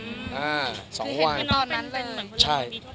คือเห็นไปนอนนั้นเลย